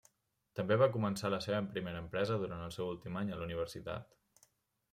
També va començar la seva primera empresa durant el seu últim any a la universitat.